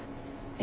え